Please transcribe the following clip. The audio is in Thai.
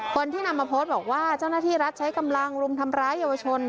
คนที่นำมาโพสต์บอกว่าเจ้าหน้าที่รัฐใช้กำลังรุมทำร้ายเยาวชน